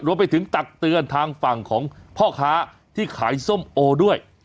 ตักเตือนทางฝั่งของพ่อค้าที่ขายส้มโอด้วย